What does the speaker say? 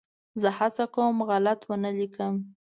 زه هڅه کوم غلط ونه ولیکم.